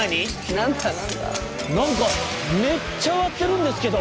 何かめっちゃ割ってるんですけど。